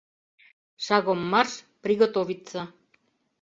Шагом марш, приготовиться.